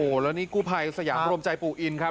แล้วนี่กู้ภัยสยามรวมใจปู่อินครับ